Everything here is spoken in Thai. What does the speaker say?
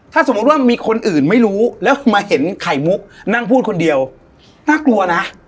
ถ้าสมมุติว่ามีคนอื่นไม่รู้แล้วมาเห็นไข่มุกนั่งพูดคนเดียวน่ากลัวนะ